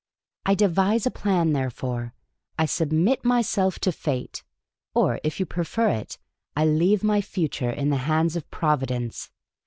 I devise a Plan, therefore. I submit myself to fate ; or, if you prefer it, I leave my future in the hands of Providence.